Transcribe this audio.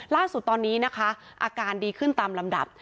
ล่าสุดตอนนี้นะคะอาการดีขึ้นตามลำดับ